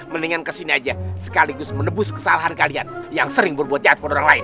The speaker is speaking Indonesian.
mendingan kesini aja sekaligus menebus kesalahan kalian yang sering berbuat ya kepada orang lain